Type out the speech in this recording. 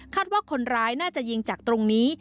ว่าคนร้ายน่าจะยิงจากตรงนี้